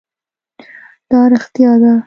دا رښتیا ده.